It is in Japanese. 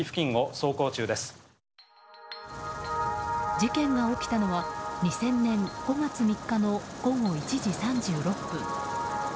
事件が起きたのは２０００年５月３日の午後１時３６分。